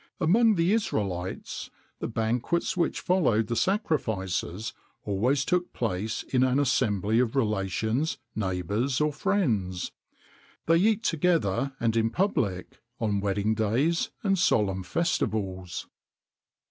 Among the Israelites, the banquets which followed the sacrifices always took place in an assembly of relations, neighbours, or friends.[XXIX 79] They eat together and in public on wedding days and solemn festivals.